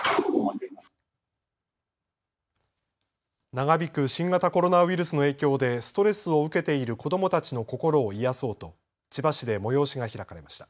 長引く新型コロナウイルスの影響で、ストレスを受けている子どもたちの心を癒やそうと、千葉市で催しが開かれました。